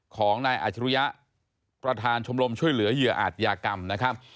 ของนายอาจรุยะประธานชมรมช่วยเหลือเหยื่ออาจยากรรมนะครับ